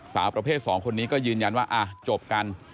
สาวประเภท๒คนนี้ก็ยืนยันว่าจบกัน